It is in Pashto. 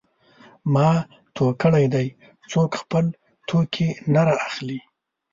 ما تو کړی دی؛ څوک خپل توکی نه رااخلي.